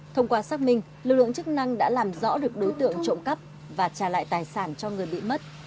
thông qua xác minh lực lượng chức năng đã làm rõ được đối tượng trộm cắp và trả lại tài sản cho người bị mất